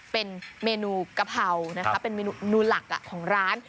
เป็นเมนูกะเพรานะคะเป็นเมนูหลักของร้าน